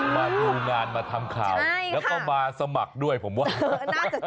มาดูงานมาทำข่าวแล้วก็มาสมัครด้วยผมว่านะ